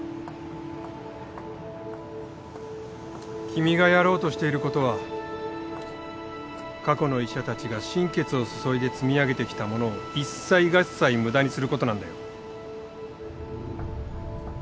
君がやろうとしていることは過去の医者たちが心血を注いで積み上げてきたものを一切合切無駄にすることなんだよ。